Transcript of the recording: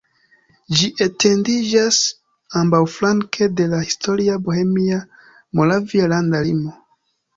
Ĝi etendiĝas ambaŭflanke de la historia bohemia-moravia landa limo.